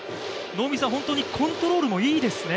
本当にコントロールもいいですね。